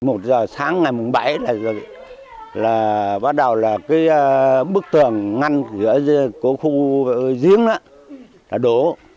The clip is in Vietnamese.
một giờ sáng ngày bảy là bắt đầu là bức tường ngăn giữa khu giếng đó đổ